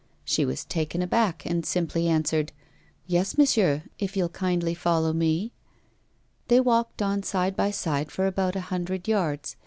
She was taken aback, and simply answered: 'Yes, monsieur; if you'll kindly follow me ' They walked on side by side for about a hundred yards.